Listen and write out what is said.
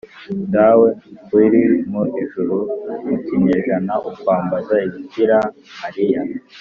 “dawe uri mu ijuru” mu kinyejana ukwambaza bikira mariya